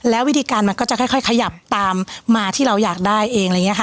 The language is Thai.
แล้ววิธีการมันก็จะค่อยขยับตามมาที่เราอยากได้เอง